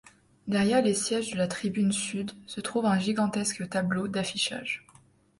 Derrière les sièges de la tribune sud se trouve un gigantesque tableau d'affichage.